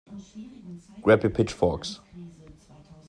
Grab your pitchforks!